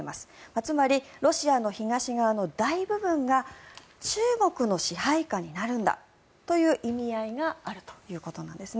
つまり、ロシアの東側の大部分が中国の支配下になるんだという意味合いがあるということです。